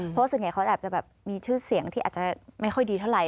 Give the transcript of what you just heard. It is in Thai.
เพราะส่วนใหญ่เขาแอบจะแบบมีชื่อเสียงที่อาจจะไม่ค่อยดีเท่าไห